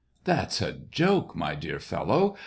" That's a joke, my dear fellow